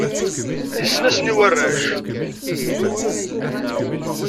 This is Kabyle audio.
Yessen-asen i warrac.